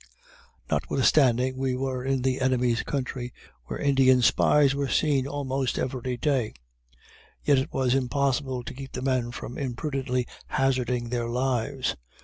Notwithstanding we were in the enemy's country, where Indian spies were seen almost every day, yet it was impossible to keep the men from imprudently hazarding their lives!